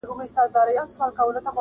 انسان وجدان سره مخ کيږي تل،